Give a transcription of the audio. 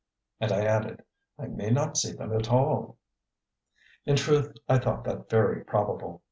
And I added: "I may not see them at all." In truth I thought that very probable.